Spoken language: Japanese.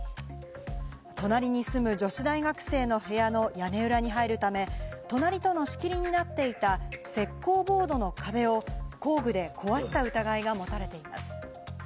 隣に住む女子大学生の部屋の屋根裏に入るため、隣との仕切りになっていた石こうボードの壁を工具で壊した疑いが持たれています。